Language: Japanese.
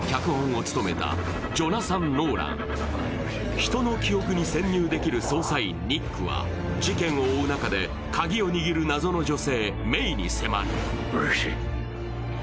人の記憶に潜入できる捜査員・ニックは事件を追う中で、カギを握るなぞの女性、メイに迫る。